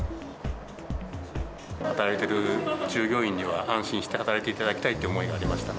働いている従業員には安心して働いていただきたいという思いがありました。